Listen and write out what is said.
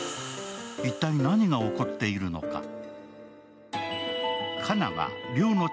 一体何が起こっているのか。